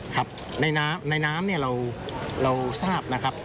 ครับในน้ำเนี่ยเราทราบนะครับ